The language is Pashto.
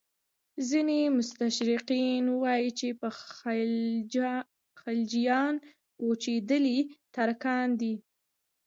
ځینې مستشرقین وایي چې خلجیان کوچېدلي ترکان دي.